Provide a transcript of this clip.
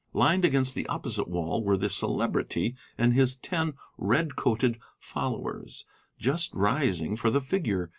Lined against the opposite wall were the Celebrity and his ten red coated followers, just rising for the figure.